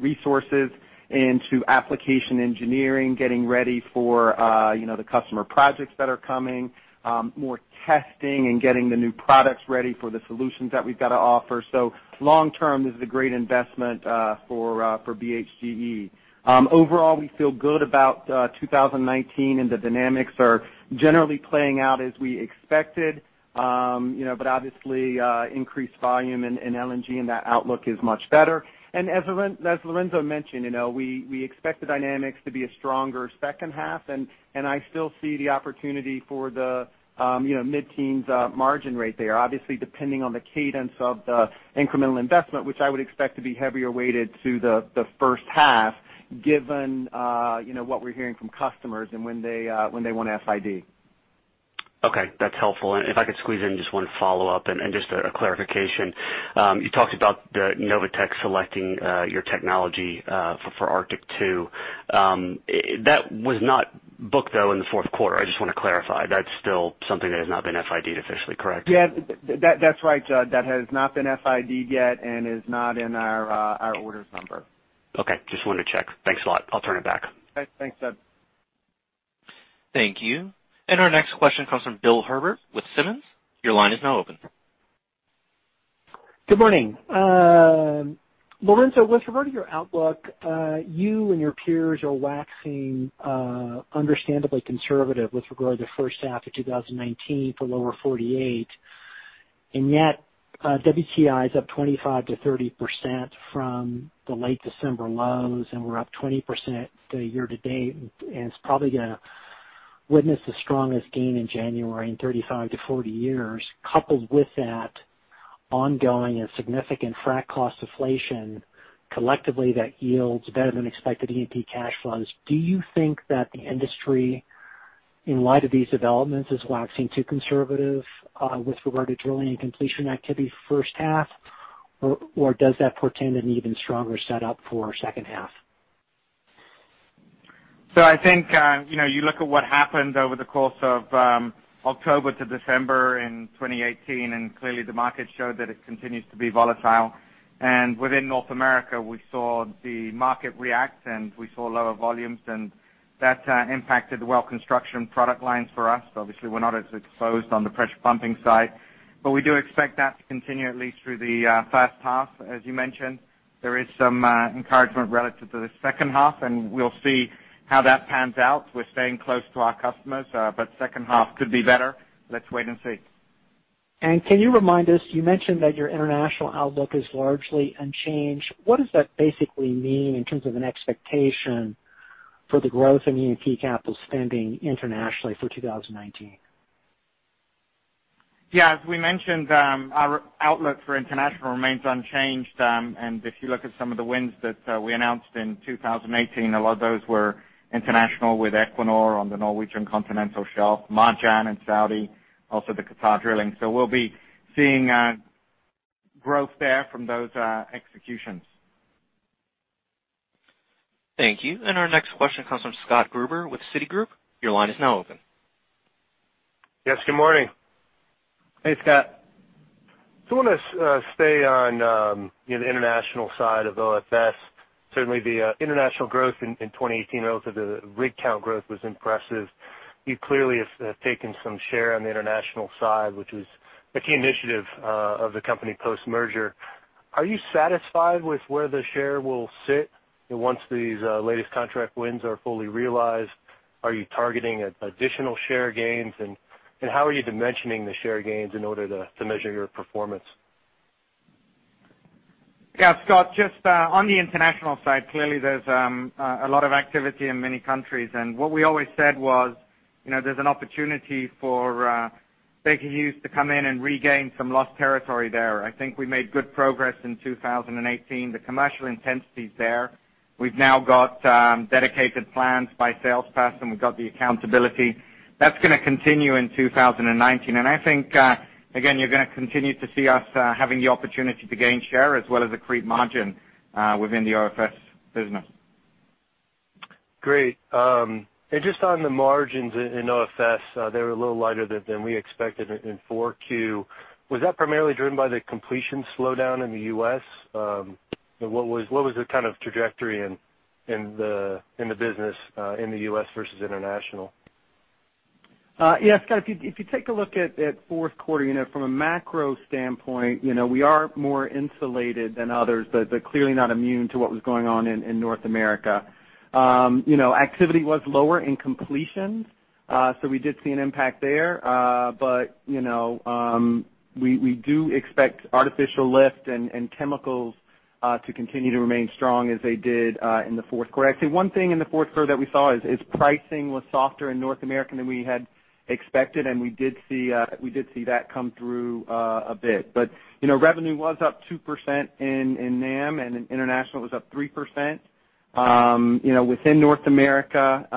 D: resources into application engineering, getting ready for the customer projects that are coming, more testing, and getting the new products ready for the solutions that we've got to offer. Long term, this is a great investment for BHGE. Overall, we feel good about 2019, the dynamics are generally playing out as we expected. Obviously, increased volume in LNG, that outlook is much better. As Lorenzo mentioned, we expect the dynamics to be a stronger second half, I still see the opportunity for the mid-teens margin rate there, obviously depending on the cadence of the incremental investment, which I would expect to be heavier weighted to the first half given what we're hearing from customers and when they want to FID.
F: Okay. That's helpful. If I could squeeze in just one follow-up and just a clarification. You talked about NOVATEK selecting your technology for Arctic LNG 2. That was not booked, though, in the fourth quarter. I just want to clarify. That's still something that has not been FID officially, correct?
D: Yeah. That's right, Jud. That has not been FID yet and is not in our orders number.
F: Okay. Just wanted to check. Thanks a lot. I'll turn it back.
D: Okay. Thanks, Jud.
A: Thank you. Our next question comes from Bill Herbert with Simmons. Your line is now open.
G: Good morning. Lorenzo, with regard to your outlook, you and your peers are waxing understandably conservative with regard to the first half of 2019 for Lower 48. Yet, WTI is up 25%-30% from the late December lows, we're up 20% year to date, and it's probably going to witness the strongest gain in January in 35-40 years. Coupled with that, ongoing and significant frack cost deflation, collectively that yields better than expected E&P cash flows. Do you think that the industry, in light of these developments, is waxing too conservative with regard to drilling and completion activity first half? Does that portend an even stronger setup for second half?
C: I think you look at what happened over the course of October to December in 2018, clearly the market showed that it continues to be volatile. Within North America, we saw the market react, we saw lower volumes, that impacted the well construction product lines for us. Obviously, we're not as exposed on the pressure pumping side. We do expect that to continue at least through the first half, as you mentioned. There is some encouragement relative to the second half, we'll see how that pans out. We're staying close to our customers, second half could be better. Let's wait and see.
G: Can you remind us, you mentioned that your international outlook is largely unchanged. What does that basically mean in terms of an expectation for the growth in E&P capital spending internationally for 2019?
C: Yeah. As we mentioned, our outlook for international remains unchanged. If you look at some of the wins that we announced in 2018, a lot of those were international with Equinor on the Norwegian continental shelf, Marjan in Saudi, also the Qatar drilling. We'll be seeing growth there from those executions.
A: Thank you. Our next question comes from Scott Gruber with Citigroup. Your line is now open.
H: Yes, good morning.
D: Hey, Scott.
H: I want to stay on the international side of OFS. Certainly, the international growth in 2018 relative to the rig count growth was impressive. You clearly have taken some share on the international side, which was a key initiative of the company post-merger. Are you satisfied with where the share will sit once these latest contract wins are fully realized? Are you targeting additional share gains? How are you dimensioning the share gains in order to measure your performance?
C: Yeah, Scott, just on the international side, clearly there's a lot of activity in many countries. What we always said was, there's an opportunity for Baker Hughes to come in and regain some lost territory there. I think we made good progress in 2018. The commercial intensity's there. We've now got dedicated plans by sales person. We've got the accountability. That's going to continue in 2019. I think, again, you're going to continue to see us having the opportunity to gain share as well as accrete margin within the OFS business.
H: Great. Just on the margins in OFS, they were a little lighter than we expected in 4Q. Was that primarily driven by the completion slowdown in the U.S.? What was the kind of trajectory in the business in the U.S. versus international?
D: Yeah, Scott, if you take a look at fourth quarter, from a macro standpoint, we are more insulated than others, but clearly not immune to what was going on in North America. Activity was lower in completions. We did see an impact there. We do expect artificial lift and chemicals to continue to remain strong as they did in the fourth quarter. Actually, one thing in the fourth quarter that we saw is pricing was softer in North America than we had expected, and we did see that come through a bit. Revenue was up 2% in NAM and in international it was up 3%. Within North America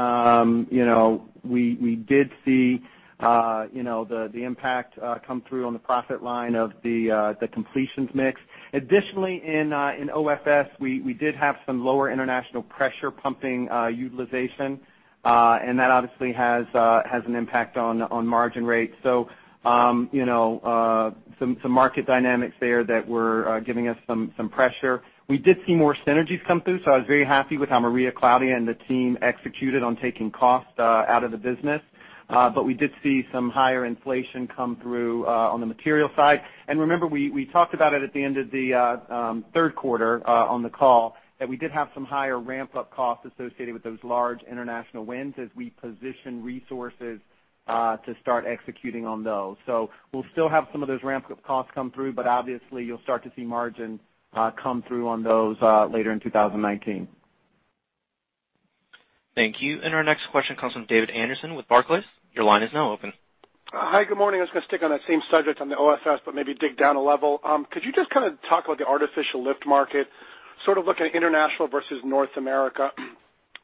D: we did see the impact come through on the profit line of the completions mix. Additionally, in OFS, we did have some lower international pressure pumping utilization. That obviously has an impact on margin rates. Some market dynamics there that were giving us some pressure. We did see more synergies come through, so I was very happy with how Maria Claudia and the team executed on taking cost out of the business. We did see some higher inflation come through on the material side. Remember, we talked about it at the end of the third quarter on the call that we did have some higher ramp-up costs associated with those large international wins as we position resources to start executing on those. We'll still have some of those ramp costs come through, but obviously you'll start to see margin come through on those later in 2019.
A: Thank you. Our next question comes from David Anderson with Barclays. Your line is now open.
I: Hi, good morning. I was going to stick on that same subject on the OFS, but maybe dig down a level. Could you just kind of talk about the artificial lift market, sort of looking at international versus North America?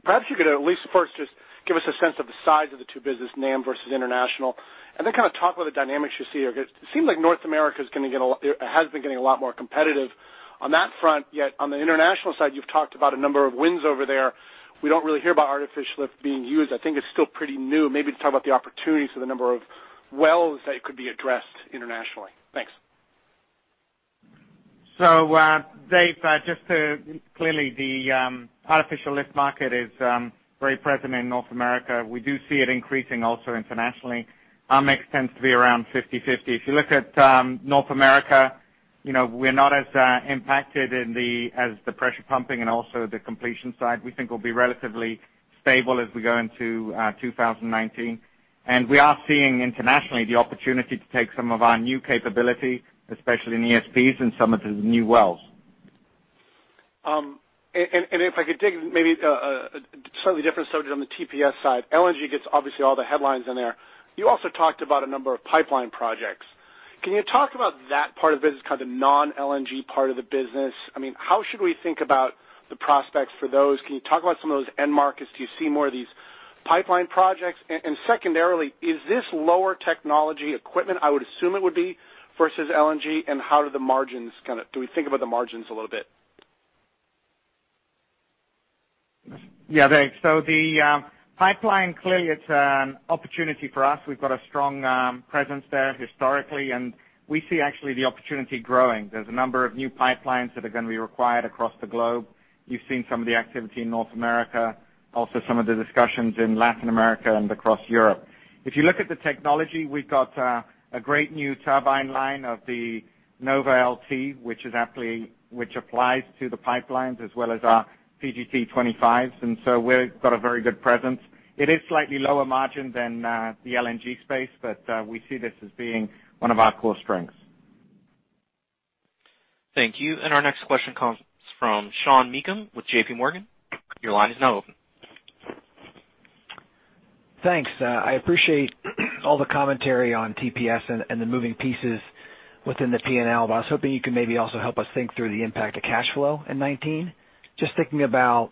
I: Perhaps you could at least first just give us a sense of the size of the two business, NAM versus international, and then kind of talk about the dynamics you see here. It seems like North America has been getting a lot more competitive on that front, yet on the international side, you've talked about a number of wins over there. We don't really hear about artificial lift being used. I think it's still pretty new. Maybe talk about the opportunities for the number of wells that could be addressed internationally. Thanks.
C: Dave, just to clearly the artificial lift market is very present in North America. We do see it increasing also internationally. Our mix tends to be around 50/50. If you look at North America We're not as impacted as the pressure pumping and also the completion side. We think we'll be relatively stable as we go into 2019. We are seeing internationally the opportunity to take some of our new capability, especially in ESPs and some of the new wells.
I: If I could dig maybe a slightly different subject on the TPS side, LNG gets obviously all the headlines in there. You also talked about a number of pipeline projects. Can you talk about that part of the business, kind of non-LNG part of the business? How should we think about the prospects for those? Can you talk about some of those end markets? Do you see more of these pipeline projects? Secondarily, is this lower technology equipment? I would assume it would be, versus LNG. How do the margins do we think about the margins a little bit?
C: Yeah, thanks. The pipeline, clearly, it's an opportunity for us. We've got a strong presence there historically, and we see actually the opportunity growing. There's a number of new pipelines that are going to be required across the globe. You've seen some of the activity in North America, also some of the discussions in Latin America and across Europe. If you look at the technology, we've got a great new turbine line of the NovaLT, which applies to the pipelines as well as our PGC25s, and so we've got a very good presence. It is slightly lower margin than the LNG space, but we see this as being one of our core strengths.
A: Thank you. Our next question comes from Sean Meakim with JPMorgan. Your line is now open.
J: Thanks. I appreciate all the commentary on TPS and the moving pieces within the P&L. I was hoping you could maybe also help us think through the impact of cash flow in 2019. Just thinking about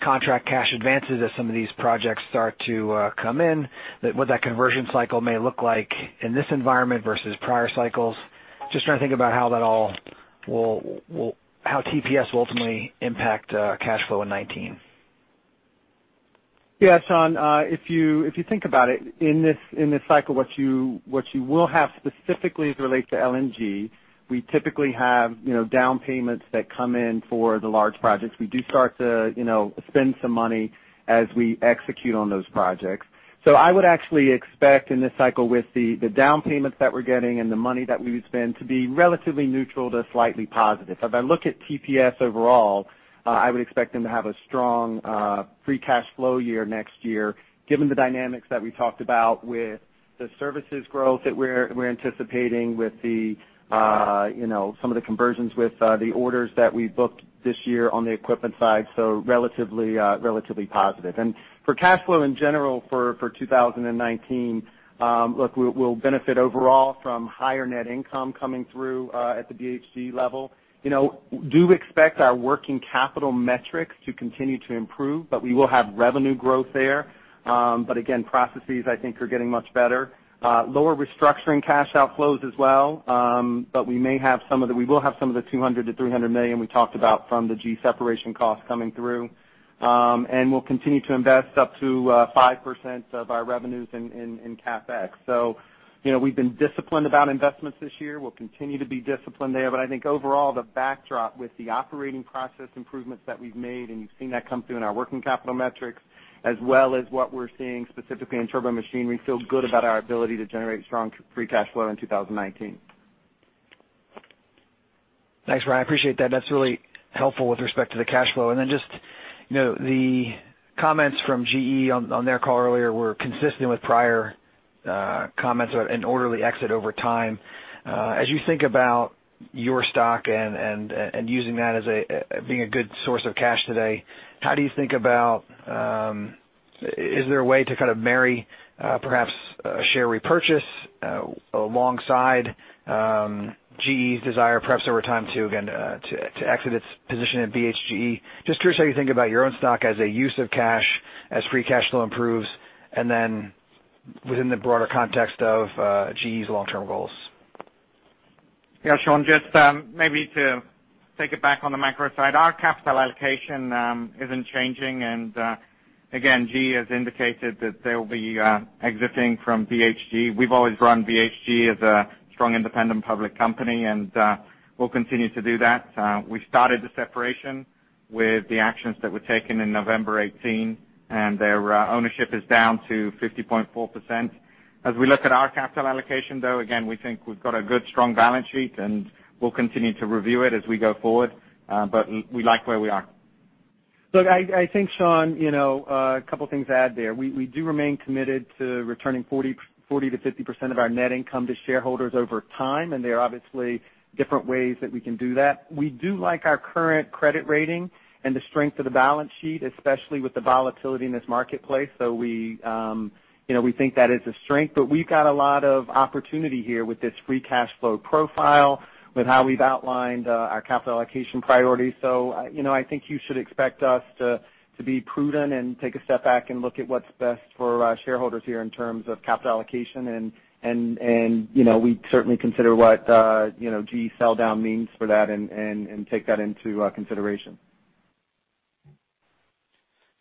J: contract cash advances as some of these projects start to come in, what that conversion cycle may look like in this environment versus prior cycles. Just trying to think about how TPS will ultimately impact cash flow in 2019.
D: Yeah, Sean, if you think about it, in this cycle, what you will have specifically as it relates to LNG, we typically have down payments that come in for the large projects. We do start to spend some money as we execute on those projects. I would actually expect in this cycle with the down payments that we're getting and the money that we would spend, to be relatively neutral to slightly positive. If I look at TPS overall, I would expect them to have a strong free cash flow year next year, given the dynamics that we talked about with the services growth that we're anticipating with some of the conversions with the orders that we booked this year on the equipment side. Relatively positive. For cash flow in general for 2019, look, we'll benefit overall from higher net income coming through at the BHGE level. Do expect our working capital metrics to continue to improve. We will have revenue growth there. Again, processes, I think, are getting much better. Lower restructuring cash outflows as well. We will have some of the $200 million to $300 million we talked about from the GE separation costs coming through. We'll continue to invest up to 5% of our revenues in CapEx. We've been disciplined about investments this year. We'll continue to be disciplined there. I think overall, the backdrop with the operating process improvements that we've made, and you've seen that come through in our working capital metrics, as well as what we're seeing specifically in Turbomachinery, feel good about our ability to generate strong free cash flow in 2019.
J: Thanks, Brian. I appreciate that. That's really helpful with respect to the cash flow. Then just the comments from GE on their call earlier were consistent with prior comments about an orderly exit over time. As you think about your stock and using that as being a good source of cash today, how do you think about, is there a way to kind of marry perhaps a share repurchase alongside GE's desire, perhaps over time, to exit its position at BHGE? Just curious how you think about your own stock as a use of cash as free cash flow improves, and then within the broader context of GE's long-term goals.
C: Sean, just maybe to take it back on the micro side, our capital allocation isn't changing. Again, GE has indicated that they'll be exiting from BHGE. We've always run BHGE as a strong independent public company, and we'll continue to do that. We started the separation with the actions that were taken in November 2018, and their ownership is down to 50.4%. As we look at our capital allocation, though, again, we think we've got a good strong balance sheet, and we'll continue to review it as we go forward. We like where we are.
D: Look, I think, Sean, a couple of things to add there. We do remain committed to returning 40%-50% of our net income to shareholders over time. There are obviously different ways that we can do that. We do like our current credit rating and the strength of the balance sheet, especially with the volatility in this marketplace. We think that is a strength, but we've got a lot of opportunity here with this free cash flow profile, with how we've outlined our capital allocation priorities. I think you should expect us to be prudent and take a step back and look at what's best for our shareholders here in terms of capital allocation and we certainly consider what GE sell down means for that and take that into consideration.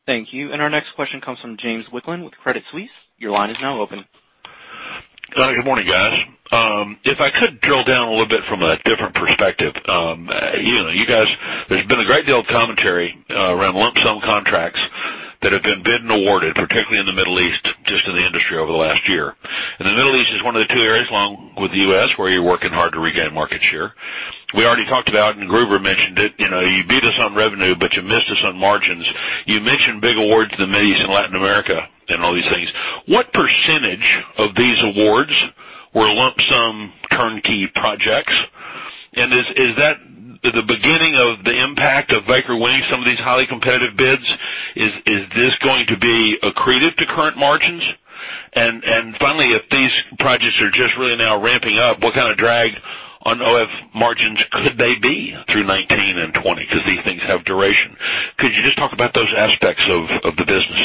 A: Thank you. Our next question comes from James Wicklund with Credit Suisse. Your line is now open.
K: Good morning, guys. If I could drill down a little bit from a different perspective. There's been a great deal of commentary around lump sum contracts that have been bid and awarded, particularly in the Middle East. And the Middle East is one of the two areas, along with the U.S., where you're working hard to regain market share. We already talked about, and Gruber mentioned it, you beat us on revenue, but you missed us on margins. You mentioned big awards in the Mideast and Latin America and all these things. What % of these awards were lump sum turnkey projects? Is that the beginning of the impact of Baker winning some of these highly competitive bids? Is this going to be accretive to current margins? Finally, if these projects are just really now ramping up, what kind of drag on OFS margins could they be through 2019 and 2020? Because these things have duration. Could you just talk about those aspects of the business?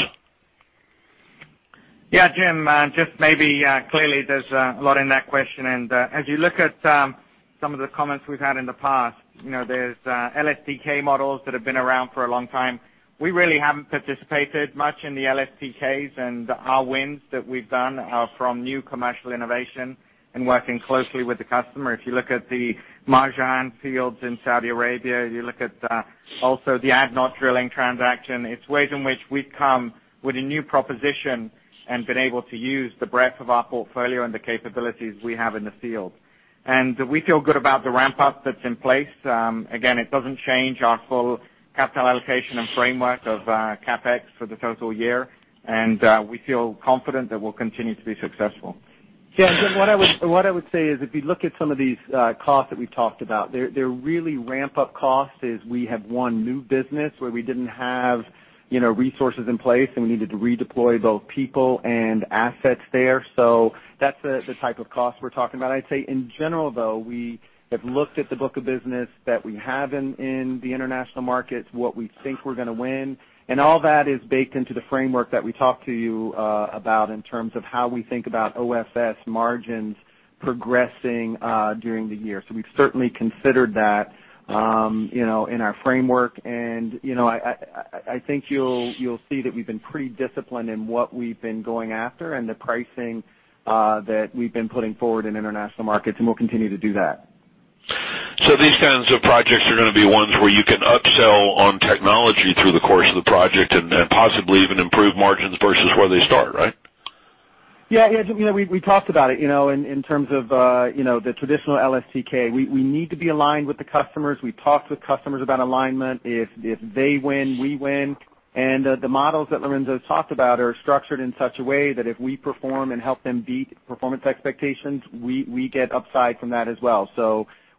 C: Yeah, James, just maybe clearly there's a lot in that question. As you look at some of the comments we've had in the past, there's LSTK models that have been around for a long time. We really haven't participated much in the LSTKs, and our wins that we've done are from new commercial innovation and working closely with the customer. If you look at the Marjan fields in Saudi Arabia, you look at also the ADNOC Drilling transaction, it's ways in which we've come with a new proposition and been able to use the breadth of our portfolio and the capabilities we have in the field. We feel good about the ramp-up that's in place. Again, it doesn't change our full capital allocation and framework of CapEx for the total year, and we feel confident that we'll continue to be successful.
D: Yeah, James, what I would say is, if you look at some of these costs that we've talked about, they're really ramp-up costs as we have won new business where we didn't have resources in place, and we needed to redeploy both people and assets there. That's the type of cost we're talking about. I'd say in general, though, we have looked at the book of business that we have in the international markets, what we think we're going to win, and all that is baked into the framework that we talked to you about in terms of how we think about OFS margins progressing during the year. We've certainly considered that in our framework. I think you'll see that we've been pretty disciplined in what we've been going after and the pricing that we've been putting forward in international markets, and we'll continue to do that.
K: These kinds of projects are going to be ones where you can upsell on technology through the course of the project and possibly even improve margins versus where they start, right?
D: Yeah. We talked about it in terms of the traditional LSTK. We need to be aligned with the customers. We've talked with customers about alignment. If they win, we win. The models that Lorenzo talked about are structured in such a way that if we perform and help them beat performance expectations, we get upside from that as well.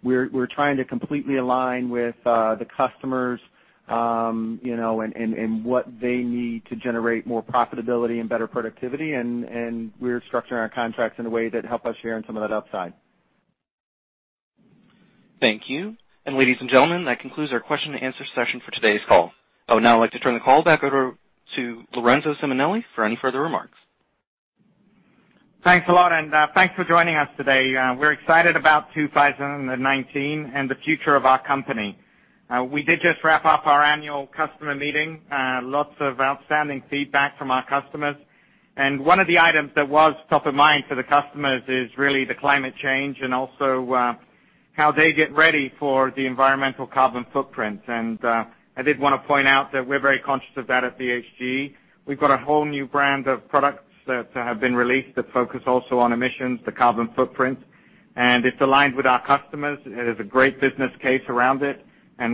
D: We're trying to completely align with the customers, and what they need to generate more profitability and better productivity. We're structuring our contracts in a way that help us share in some of that upside.
A: Thank you. Ladies and gentlemen, that concludes our question and answer session for today's call. I would now like to turn the call back over to Lorenzo Simonelli for any further remarks.
C: Thanks a lot, and thanks for joining us today. We're excited about 2019 and the future of our company. We did just wrap up our annual customer meeting. Lots of outstanding feedback from our customers. One of the items that was top of mind for the customers is really the climate change and also how they get ready for the environmental carbon footprint. I did want to point out that we're very conscious of that at BHGE. We've got a whole new brand of products that have been released that focus also on emissions, the carbon footprint, and it's aligned with our customers. It has a great business case around it.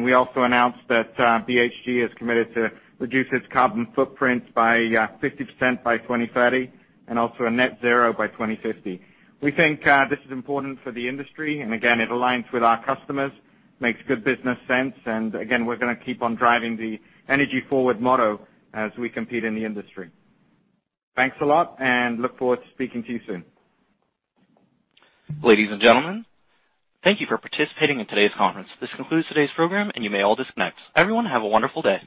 C: We also announced that BHGE is committed to reduce its carbon footprint by 50% by 2030 and also a net zero by 2050. We think this is important for the industry, and again, it aligns with our customers, makes good business sense. Again, we're going to keep on driving the energy forward motto as we compete in the industry. Thanks a lot, and look forward to speaking to you soon.
A: Ladies and gentlemen, thank you for participating in today's conference. This concludes today's program. You may all disconnect. Everyone have a wonderful day.